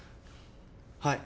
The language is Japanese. はい。